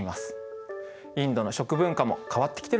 インドの食文化も変わってきてるんですよ。